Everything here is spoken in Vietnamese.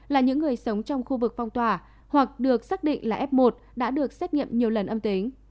là những người sống trong khu vực phong tỏa hoặc được xác định là f một đã được xét nghiệm nhiều lần âm tính